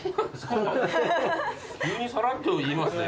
急にさらっと言いますね。